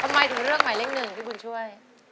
ทำไมถึงเลือกหมายเลขหนึ่งพี่บุญช่วย